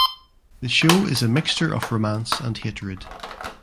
The show is mixture of romance and hatred.